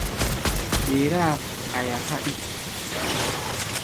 Ber-áa aia káɗí.